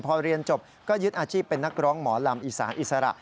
พอเรียนจบก็ยึดอาชีพเป็นนักร้องหมอลำอีสานอิสระ